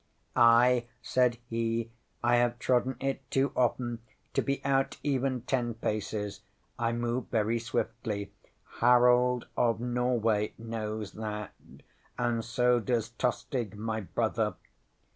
ŌĆśŌĆ£Ay, ŌĆØ said he. ŌĆ£I have trodden it too often to be out even ten paces. I move very swiftly. Harold of Norway knows that, and so does Tostig my brother.